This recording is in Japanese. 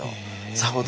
さほど。